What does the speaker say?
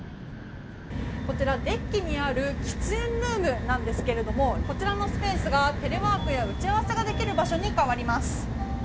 こちらデッキにある喫煙ルームなんですけれどこちらのスペースが、テレワークや打ち合わせができる場所に変わります。